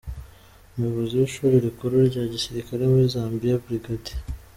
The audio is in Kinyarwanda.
Umuyobozi w’Ishuri rikuru rya Gisirikare muri Zambia, Brig.